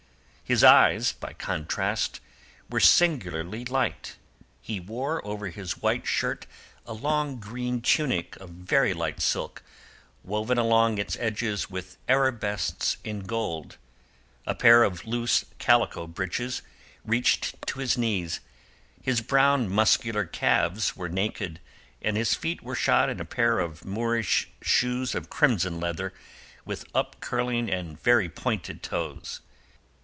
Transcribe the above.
His eyes, by contrast, were singularly light. He wore over his white shirt a long green tunic of very light silk, woven along its edges with arabesques in gold; a pair of loose calico breeches reached to his knees; his brown muscular calves were naked, and his feet were shod in a pair of Moorish shoes of crimson leather, with up curling and very pointed toes.